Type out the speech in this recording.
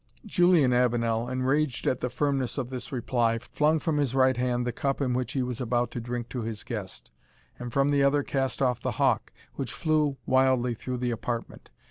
Julian Avenel, enraged at the firmness of this reply, flung from his right hand the cup in which he was about to drink to his guest, and from the other cast off the hawk, which flew wildly through the apartment.